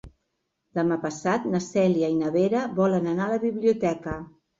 Demà passat na Cèlia i na Vera volen anar a la biblioteca.